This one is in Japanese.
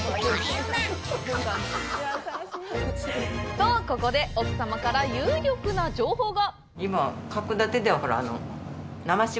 と、ここで、奥様から有力な情報が。